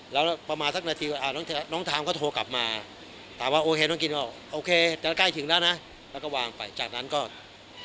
แล้วน้องทามก็โทรกลับมาถามว่าโอเคน้องยินบอกว่าค่อยตอนนั้นก็วางไปจากนั้นก็ติดต่อไม่ได้